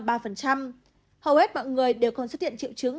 hầu hết mọi người đều còn xuất hiện triệu chứng